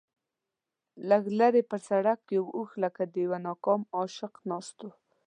لږ لرې پر سړک یو اوښ لکه د یوه ناکام عاشق ناست و.